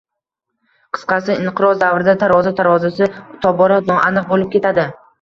Qisqasi, Inqiroz davrida tarozi tarozisi tobora noaniq bo'lib ketadi